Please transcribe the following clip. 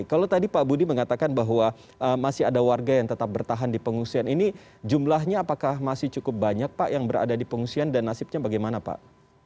kalau tadi pak budi mengatakan bahwa masih ada warga yang tetap bertahan di pengungsian ini jumlahnya apakah masih cukup banyak pak yang berada di pengungsian dan nasibnya bagaimana pak